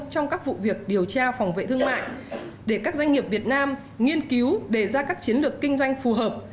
trong các vụ việc điều tra phòng vệ thương mại để các doanh nghiệp việt nam nghiên cứu đề ra các chiến lược kinh doanh phù hợp